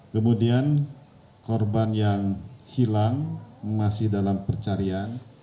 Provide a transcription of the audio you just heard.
kemudian korban yang hilang masih dalam pencarian